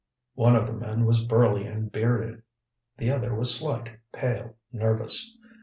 One of the men was burly and bearded; the other was slight, pale, nervous.